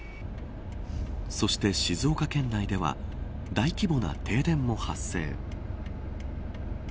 そして静岡県内では大規模な停電も発生。